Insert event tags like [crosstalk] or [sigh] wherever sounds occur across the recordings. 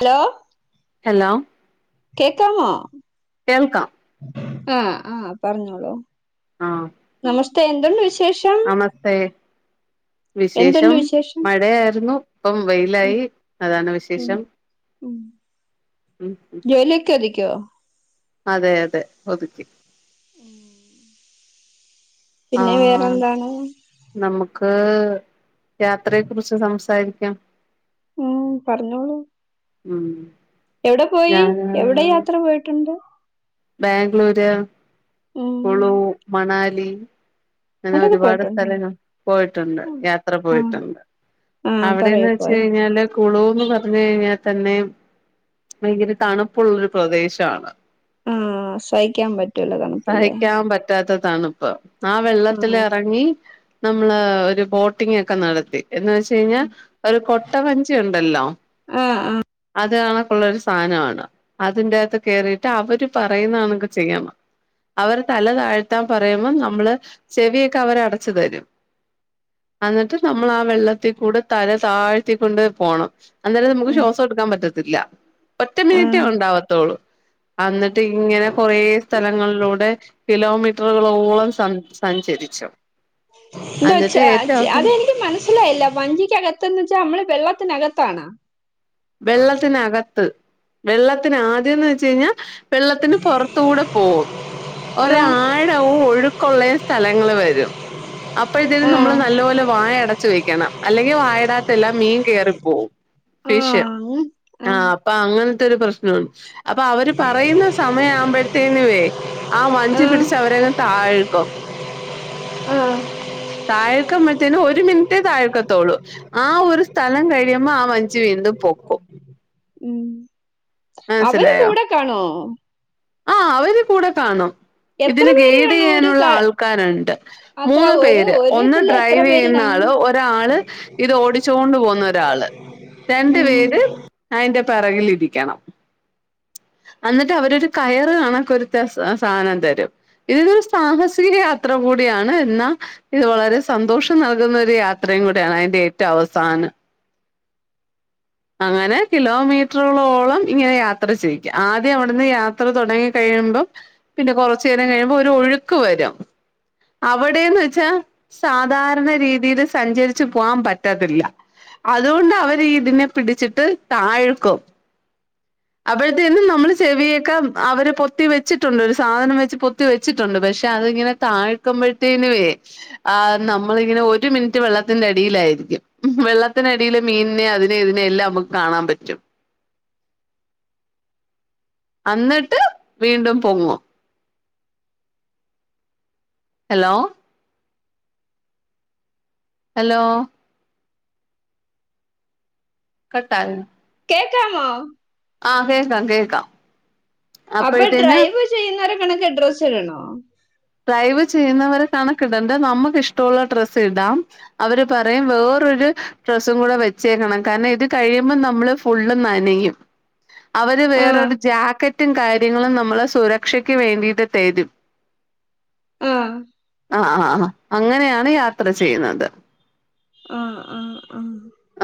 Hello. Hello. കേക്കാമോ? കേൾക്കാം. ആഹ് ആഹ് പറഞ്ഞോളൂ, ആഹ് നമസ്തേ എന്തുണ്ട് വിശേഷം? നമസ്തേ വിശേഷം എന്തുണ്ട് വിശേഷം മഴയായിരുന്നു ഇപ്പം ഉം വെയിലായി അതാണ് ഉം വിശേഷം ഉം ഉം ജോലിയൊക്കെ ഒതുക്കിയോ അതെ അതെ ഒതുക്കി [inaudible] പിന്നെ ആഹ് വേറെന്താണ് നമുക്ക് യാത്രയെ കുറിച്ച് ച്ച് സംസാരിയ്ക്കാം ഉം പറഞ്ഞോളൂ ഉം എവിടെ പോയി ഞാന് എവിടെ യാത്ര പോയിട്ടുണ്ട് ബാംഗ്ലൂര്, ഉം കുളു മണാലി അങ്ങനെ എവിടൊക്കെ ഒരുപാട് പോയിട്ടുണ്ട് സ്ഥലങ്ങൾ പോയിട്ടുണ്ട് യാത്ര ആഹ് പോയിട്ടുണ്ട് ആഹ് അവിടെന്ന് പറയൂ വെച്ച് പോയോ കഴിഞ്ഞാല് കുളൂന്ന് പറഞ്ഞു കഴിഞ്ഞാൽ തന്നെയും ഭയങ്കര തണുപ്പുള്ളൊരു പ്രദേശാണ് ആഹ് സഹിക്കാൻ പറ്റൂല തണുപ്പില്ലേ സഹിക്കാൻ പറ്റാത്ത തണുപ്പ് ആ ആഹ് വെള്ളത്തിലെറങ്ങി നമ്മള് ഒരു ബോട്ടിംഗ് ഒക്കെ നടത്തി എന്ന് വെച്ച് കഴിഞ്ഞാൽ ഒരു കൊട്ടവഞ്ചി ഉണ്ടല്ലോ ആഹ് ആഹ് അത് ആകൊളെളാരു സ് സ്ഥാനവാണ് അതിന്റെറകത്ത് കേറിയിട്ട് അവര് പറയുന്ന കണക്കെ ചെയ്യണം അവര് തല താഴ്ത്താൻ പറയുമ്പം നമ്മള് ചെവിയൊക്കെ അവര് അടച്ചു തരും അന്നിട്ട് നമ്മൾ ആ വെള്ളത്തിൽ കൂടെ തല താഴ്ത്തിക്കൊണ്ട് പോണം അന്നേരം നമുക്ക് ഉം ശ്വാസം എടുക്കാൻ പറ്റത്തില്ല ഒറ്റ മിനിറ്റേ ആഹ് ഉണ്ടാവാത്തുള്ളു അന്ന്ട്ട് ഇങ്ങനെ കൊറേ സ്ഥലങ്ങൾലൂടെ കിലോമീറ്ററ്കളോളം സംസാരിചരിച്ചു എന്ത് വച്ച അതെനിക്ക് മനസ്സിലായില്ല വഞ്ചിക്കകത്ത്ന്ന് വെച്ച നമ്മള് വെള്ളത്തിനകത്താണൊ വെള്ളത്തിനകത്ത് വെള്ളത്തിന് ആദ്യംന്ന് വെച്ച് കഴ്ഞ്ഞ വെള്ളത്തിന് പൊറത്ത് കൂടെ പോകും ആഹ് ഒരാഴവും ഒഴുക്കുള്ളേം സ്ഥലങ്ങള് വരും അപ്പഴത്തിന് ആഹ് നമ്മള് നല്ലപോലെ വായ അടച്ച് വെയ്ക്കണം അല്ലെങ്കി വായടാത്തെല്ലാം മീൻ കേറിപ്പോവും ഫിഷ് ആഹ് ആഹ് അപ്പൊ അങ്ങനത്തെ ഒരു പ്രശ്നാണ് അപ്പ അവര് പറയുന്ന സമയം ആവുമ്പത്തേനു ആ വഞ്ചി ആഹ് പിടിച്ച് അവരെ താഴ്ക്കും ആഹ് താഴ്ക്കുമ്പത്തിനും ഒരു മിൻറ്റേ താഴ്ക്കത്തൊള്ളു ആ ഒരു സ്ഥലം കഴിയുമ്പൊ ആഹ് വ ച്ചി വീണ്ടും പൊക്കും ഉം അവര് കൂട കാണോ ആഹ അവര് കൂട കാണും എത്ര ഇതിന് പേര് കാണും ഒരു ഗൈഡീയ്യാനുള്ള ക ആൾക്കാര്ണ്ട് അത്ര മൂന്ന് ഒരു പേര് ഒരു ഒന്ന് ഇതില് എത്ര പേര് ഡ്രൈവിയ്യ്ന്ന കാണും ആള് ഒ ഒരാള് ഇത് ഓടിച്ചോണ്ട് പോവ്ന്ന ഒരാള് രണ്ടു പേര് ഉം അയിന്റെ പെറകിലിരിയ്ക്കണം അന്നിട്ട് അവരൊരു കയറ് കണക്കൊരുത ആഹ് സാനം തരും ഇതൊരു സാഹസിക യാത്ര കൂടിയാണ് ഇന്ന ഇത് വളരെ സന്തോഷം നൽക്ന്ന ഒരു യാത്രിം കുടിയാണ് അയിൻ്റെ ഏറ്റൊ അവസാനം അങ്ങനെ കിലോമീറ്റുകളോളം അങ്ങനെ കിലോ മീറ്റ്രകളോളം യാത്ര ചെയ്യിക്ക ആദ്യം അവിടുന്ന് യാത്ര തുടങ്ങി കഴിയുമ്പൊ പിന്നെ കൊറ്ച്ചേരം കഴിയുമ്പം ഒരു ഒഴുക്ക് വരും അവിടേന്ന് വെച്ച സാധാര്ണ രീതീല് സഞ്ചരിച്ചു പോവാൻ പറ്റത്തില്ല അതുകൊണ്ട് അവര് ഇതിനെ പിടിച്ചിട്ട് താഴ്ക്കും അപ്പഴത്തിന് നമ്മളെ ചെവിയൊക്കെ അവര് പൊത്തി വെച്ചിട്ടുണ്ട് ഒരു സാധനം വെച്ച് പൊത്തി വെച്ചിട്ടുണ്ട് പക്ഷെ അതിങ്ങനെ താഴ്ക്കുമ്പഴ്ത്തീനുവേ ആഹ് നമ്മളി ഇങ്ങന ഒരു മിനിറ്റ് വെള്ളത്തിന്റെ അടിയിലായിരിക്കും വെള്ളത്തിനടിയില് മീൻനെ അത് ഇതിനെല്ലാം നമ്ക്ക് കാണാ പറ്റും അന്നിട്ട് വീണ്ടും പൊങ്ങും ഹലോ ഹലോ കട്ടായൊ കേക്കാമോ ആഹ് കേക്കാം കേക്കാം അപ്പൊ അപ്പോഴത്തേന് ഡ്രൈവ് ചെയ്യുന്നവരെ കണക്ക് ഡ്രസ്സ് ഇടണോ ഡ്രൈവ് ചെയ്യുന്നവരെ കണക്കിടണ്ട നമുക്ക് ഇഷ്ടള്ള ഡ്രസ്സ് ഇടാം അവര് പറയും വേറൊരു ഡ്രസ്സും കൂടെ വെച്ചേക്കണം കാര്ണം ഇത് കഴിയുമ്പൊ നമ്മള് ഫുള്ള് നനയും അവര് ആഹ് വേറൊര് ജാക്കറ്റും കാര്യങ്ങളും നമ്മള സുരക്ഷയ്ക്ക് വേണ്ടീട്ട് തരും ആഹ് ആഹ് ആഹ് അങ്ങനെയാണ് യാത്ര ചെയ്യ്ന്നത് ആഹ് ആഹ് ആഹ്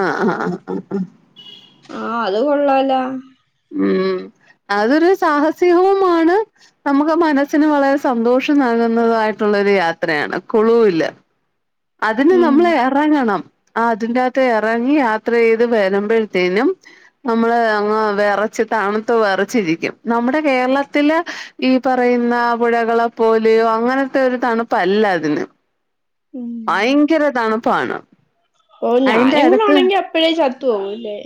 ആഹ് ആഹ് ആഹ് ആഹ് ആ അത് കൊള്ളാല്ലോ ഉം അതൊരു സാഹസികവുമാണ് നമുക്ക് മനസ്സിന് വളരെ സന്തോഷം നൽകുന്നതായിട്ടുള്ളൊരു യാത്രയാണ് കുളുവില്ല അതിന് ഉം നമ്മ്ളേയാ ഇറങ്ങണം ആ അതിന്റെകത്ത് ഇറങ്ങി യാത്ര ചെയ്ത് വരുമ്പഴത്തേനും നമ്മള് അ വിറച്ച് തണുത്ത വിറച്ചിരിക്കും നമ്മുടെ കേരളത്തില് ഈ പറയുന്ന പുഴകളെ പോലെയോ അങ്ങനത്തെ ഒരു തണുപ്പല്ല അതിന് ഉം ഭയങ്കര തണുപ്പാണ് ഓ അയിന്റെ ഞാനെങ്ങനു ആണെങ്കി അപ്പഴേ ചത്തു പോകൂല്ലേ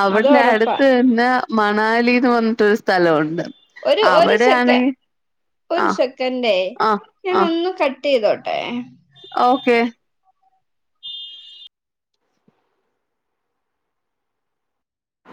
അവ്ട്ന്ന് ഒറപ്പാ എടത്ത് നിന്നാ മണാലീന്ന് പർഞ്ട്ടൊരു സ്ഥലമുണ്ട് ഒരു ഒരു സെക് അവിടെയാണെ ഒരു ആഹ് സെക്കന്റെയ് ആഹ് ഞാൻ ആഹ് ഒന്ന് കട്ട് ചെയ്തോട്ടേ ഓക്കെ